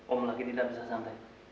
om lagi tidak bisa sampai